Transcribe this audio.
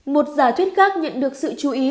một giả thuyết khác nhận được sự chú ý